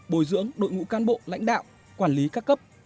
bồi dưỡng đội ngũ cán bộ lãnh đạo quản lý các cấp